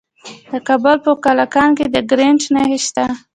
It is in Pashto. د کابل په کلکان کې د ګرانیټ نښې شته.